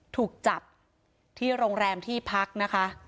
ถูกจับที่โรงแรมที่พักนะคะ